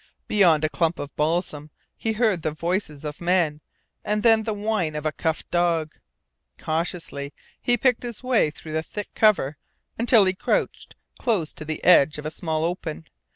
Beyond a clump of balsam he heard the voices of men, and then the whine of a cuffed dog. Cautiously he picked his way through the thick cover until he crouched close to the edge of a small open.